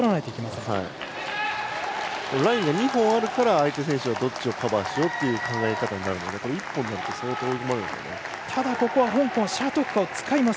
ラインが２本あるから相手選手はどっちをカバーしようかという考え方になるので１本になると相当難しいです。